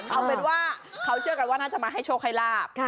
เอาเป็นว่าเขาเชื่อกันว่าน่าจะมาให้โชคให้ลาบ